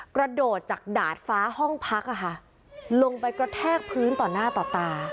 กระโดดจากดาดฟ้าห้องพักลงไปกระแทกพื้นต่อหน้าต่อตา